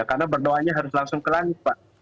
karena berdoanya harus langsung kelam pak